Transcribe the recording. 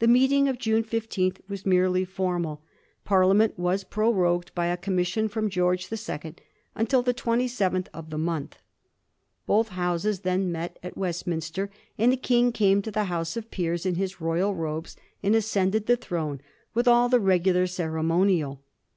The meeting of June 15 was merely formal. Parliament was prorogued by a Commission from Greorge the Second until the 27th of the month. Both Houses then met at Westminster, and the King came to the House of Peers in his royal robes and ascended the throne with all the regular ceremonial.